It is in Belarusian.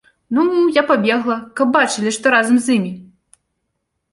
Ну, я пабегла, каб бачылі, што разам з імі.